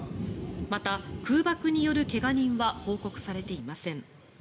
また空爆による怪我人は報告されていません。